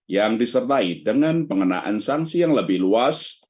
yang disertai dengan pengenaan sanksi yang lebih luas